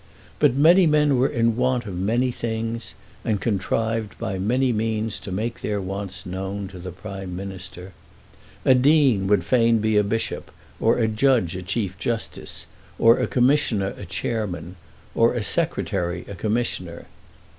But many men were in want of many things, and contrived by many means to make their wants known to the Prime Minister. A dean would fain be a bishop, or a judge a chief justice, or a commissioner a chairman, or a secretary a commissioner.